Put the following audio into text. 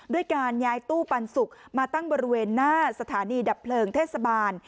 ด้วยการย้ายตู้ปันสุกมาตั้งบริเวณหน้าสถานีดับเพลิงเทศบาล